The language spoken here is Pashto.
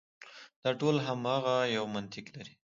دا ټول هماغه یو منطق لري.